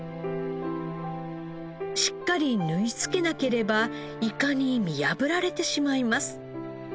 しっかり縫い付けなければイカに見破られてしまいます。